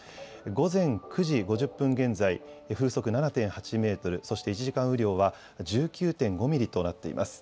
午前９時５０分現在、風速７．８メートルそして１時間雨量は１９．５ミリとなっています。